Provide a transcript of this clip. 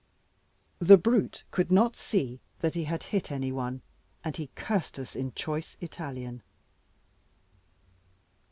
The brute could not see that he had hit any one, and he cursed us in choice Italian.